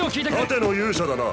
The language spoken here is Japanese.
盾の勇者だな？